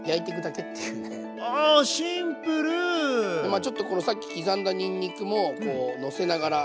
まあちょっとこのさっき刻んだにんにくものせながら。